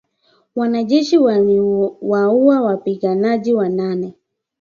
Wanajeshi waliwaua wapiganaji wanane